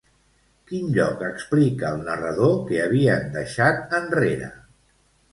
Quin lloc explica el narrador que havien deixat enrere?